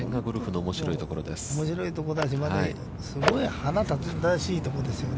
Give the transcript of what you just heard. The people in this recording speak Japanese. おもしろいところだし、また、すごい腹立たしいところですよね。